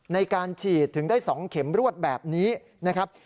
ในการฉีดถึงได้๒เข็มรวดแบบนี้นะครับ